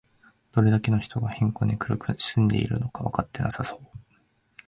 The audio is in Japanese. どれだけの人が貧困に苦しんでいるのかわかってなさそう